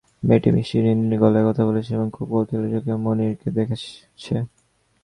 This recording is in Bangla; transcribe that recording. মেয়েটি মিষ্টি রিনরিনে গলায় কথা বলছে এবং খুব কৌতূহলী চোখে মুনিরকে দেখছে।